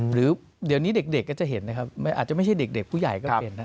หรือเดี๋ยวนี้เด็กก็จะเห็นนะครับอาจจะไม่ใช่เด็กผู้ใหญ่ก็เป็นนะครับ